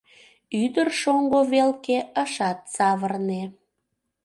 Ӱдыр шоҥго велке ышат савырне.